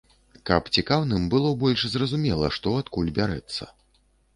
Каб цікаўным было больш зразумела, што адкуль бярэцца.